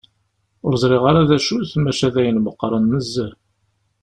Ur ẓriɣ ara d acu-t, maca d ayen meqqren nezzeh.